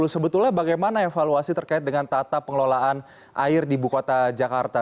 sebetulnya bagaimana evaluasi terkait dengan tata pengelolaan air di buku kota jakarta